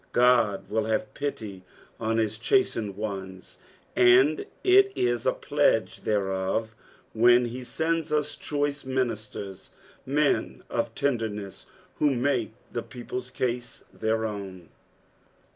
God will have pity on his chastened ones, and it is a pledge thereof when be sends ua choice ministera, men of tenderness, who make the people's case tbeir own.